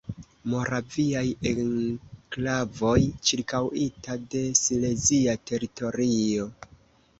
Moraviaj enklavoj ĉirkaŭita de silezia teritorio.